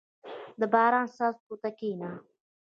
• د باران څاڅکو ته کښېنه.